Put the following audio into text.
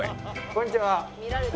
こんにちは。